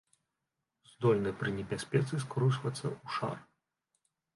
Здольны пры небяспецы скручваецца ў шар.